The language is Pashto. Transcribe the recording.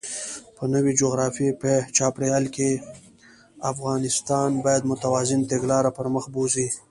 په نوي جغرافیايي چاپېریال کې، افغانستان باید متوازنه تګلاره پرمخ بوځي.